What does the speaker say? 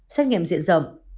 xét nghiệm diện rộng